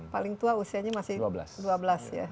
paling tua usianya masih dua belas ya